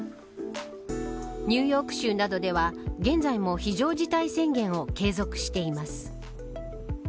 ニューヨーク州などでは現在も非常事態宣言を継続しています。